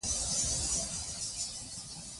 دغلغلې تاريخي ښار په باميانو کې موقعيت لري